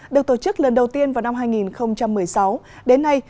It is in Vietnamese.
được tổ chức lần đầu tiên vào năm hai nghìn một mươi sáu đến nay